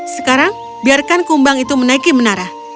sekarang biarkan kumbang itu menaiki menara